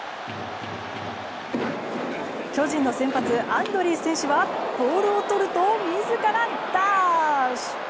巨人の先発、アンドリース選手はボールを取ると自らダッシュ。